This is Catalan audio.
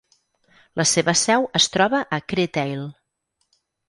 La seva seu es troba a Créteil.